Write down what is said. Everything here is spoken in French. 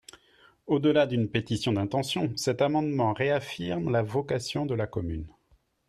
Au-delà d’une pétition d’intentions, cet amendement réaffirme la vocation de la commune.